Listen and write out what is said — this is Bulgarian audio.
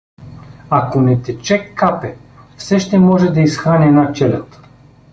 Ако не тече — капе, все ще може да изхрани една челяд.